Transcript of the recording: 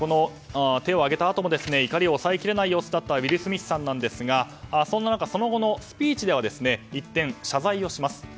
手を上げたあとも怒りを抑えきれない様子だったウィル・スミスさんなんですがそんな中その後のスピーチでは一転謝罪をします。